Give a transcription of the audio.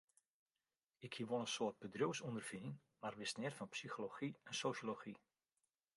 Ik hie wol in soad bedriuwsûnderfining, mar wist neat fan psychology en sosjology.